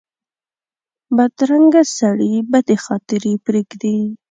بدرنګه سړي بدې خاطرې پرېږدي